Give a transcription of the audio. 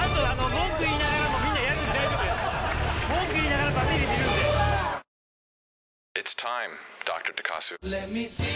文句言いながらバミリ見るんでおはよう。